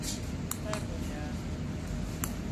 Pardon ya.